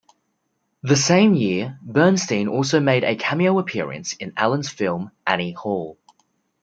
The same year, Bernstein also made a cameo appearance in Allen's film "Annie Hall".